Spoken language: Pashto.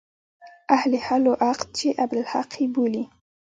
اهل حل و عقد چې عبدالحق يې بولي.